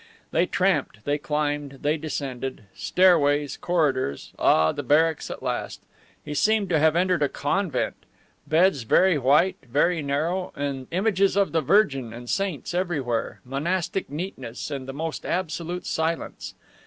They tramped, they climbed, they descended. Stairways, corridors. Ah, the barracks at last. He seemed to have entered a convent. Beds very white, very narrow, and images of the Virgin and saints everywhere, monastic neatness and the most absolute silence.